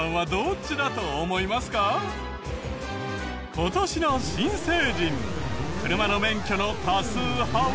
今年の新成人車の免許の多数派は。